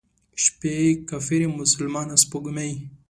شپې کافرې، مسلمانه سپوږمۍ،